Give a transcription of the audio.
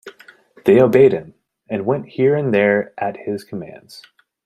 They obeyed him, and went here and there at his commands.